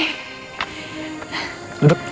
gue belum sempet kembali